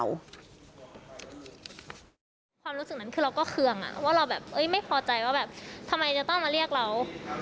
ความรู้สึกนั้นคือเราก็เคืองว่าเราแบบไม่พอใจว่าแบบ